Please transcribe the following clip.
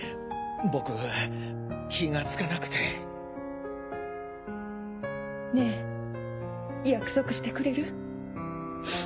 僕気が付かなくて。ねぇ約束してくれる？